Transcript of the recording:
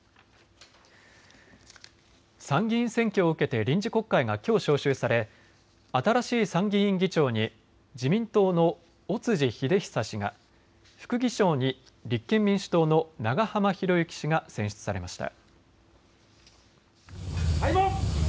参議院選挙を受けて臨時国会がきょう召集され新しい参議院議長に自民党の尾辻秀久氏が、副議長に立憲民主党の長浜博行氏が選出されました。